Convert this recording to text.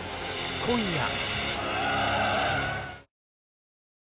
今夜！